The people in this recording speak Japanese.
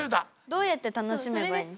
どうやって楽しめばいい？